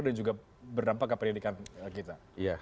dan juga berdampak ke pendidikan kita